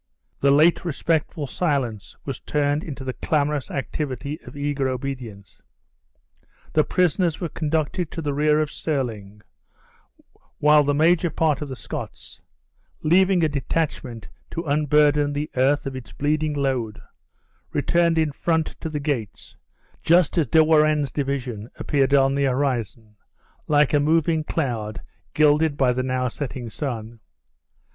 The late respectful silence was turned into the clamorous activity of eager obedience. The prisoners were conducted to the rear of Stirling; while the major part of the Scots (leaving a detachment to unburden the earth of its bleeding load), returned in front to the gates, just as De Warenne's division appeared on the horizon, like a moving cloud gilded by the now setting sun.